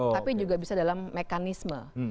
tapi juga bisa dalam mekanisme